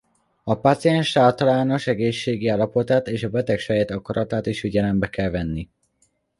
A páciens általános egészségi állapotát és a beteg saját akaratát is figyelembe kell venni.